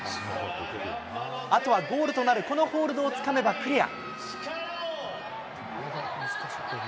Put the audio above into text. あとはゴールとなるこのホールドをつかめばクリア。